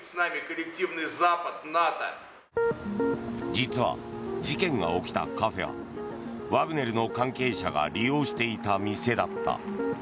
実は、事件が起きたカフェはワグネルの関係者が利用していた店だった。